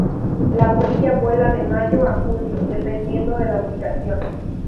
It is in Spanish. La polilla vuela de mayo a julio dependiendo de la ubicación.